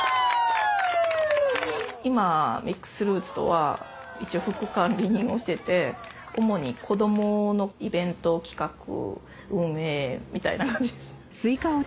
今ミックスルーツは一応副管理人をしてて主に子供のイベント企画運営みたいな感じですね。